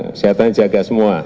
kesehatan jaga semua